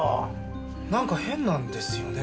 なんか変なんですよね。